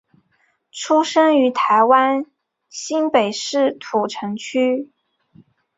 出生于台湾新北市土城区。